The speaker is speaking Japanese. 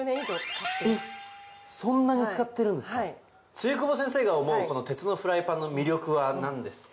露久保先生が思う鉄のフライパンの魅力は何ですか？